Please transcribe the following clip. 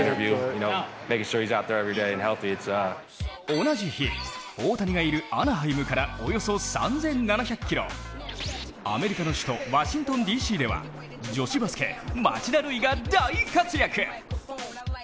同じ日、大谷がいるアナハイムからおよそ３７００ｋｍアメリカの首都ワシントンＤ．Ｃ．では女子バスケ、町田瑠唯が大活躍！